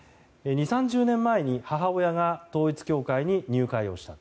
２０３０年前に母親が統一教会に入会をした。